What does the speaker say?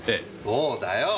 そうだよ！